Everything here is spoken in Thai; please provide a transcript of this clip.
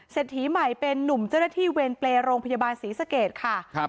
ถีใหม่เป็นนุ่มเจ้าหน้าที่เวรเปรย์โรงพยาบาลศรีสเกตค่ะครับ